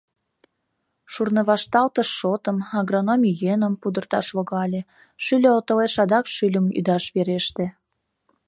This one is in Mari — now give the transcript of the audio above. Шурнывашталтыш шотым, агрономий йӧным, пудырташ логале, шӱльӧ отылеш адак шӱльым ӱдаш вереште.